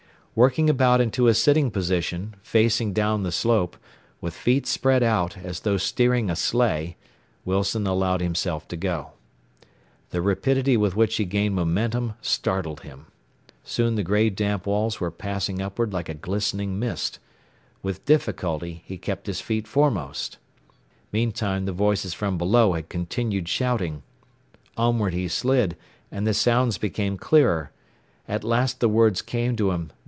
Working about into a sitting position, facing down the slope, with feet spread out, as though steering a sleigh, Wilson allowed himself to go. The rapidity with which he gained momentum startled him. Soon the gray damp walls were passing upward like a glistening mist. With difficulty he kept his feet foremost. Meantime the voices from below had continued shouting. Onward he slid, and the sounds became clearer. At last the words came to him.